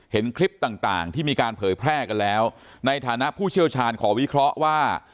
เห็นคลิปต่างที่มีการเผยแพร่กันแล้วในฐานะผู้เชี่ยวชาญขอวิเคราะห์ว่า